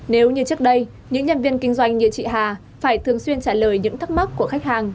nếu như trước đây những nhân viên kinh doanh như chị hà phải thường xuyên trả lời những thắc mắc của khách hàng